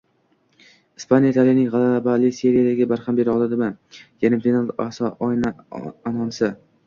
Ispaniya Italiyaning g‘alabali seriyasiga barham bera oladimi? Yarimfinal anonsi